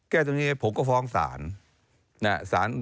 แก้ตรงนี้ผมก็ฟ้องศาล